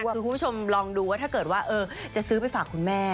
คือคุณผู้ชมลองดูว่าถ้าเกิดว่าจะซื้อไปฝากคุณแม่